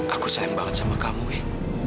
aku sayang banget sama kamu ya